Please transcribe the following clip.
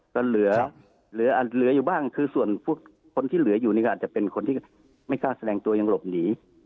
ก็เหลืออยู่บ้างคือส่วนคนที่เหลืออยู่นี่ก็อาจจะเป็นคนที่ไม่กล้าแสดงตัวยังหลบหนี